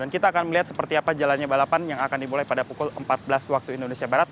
dan kita akan melihat seperti apa jalannya balapan yang akan dimulai pada pukul empat belas waktu indonesia barat